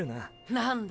何だ？